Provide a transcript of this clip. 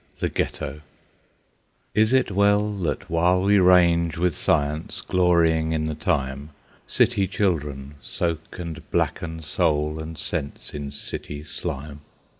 THE GHETTO Is it well that while we range with Science, glorying in the time, City children soak and blacken soul and sense in city slime?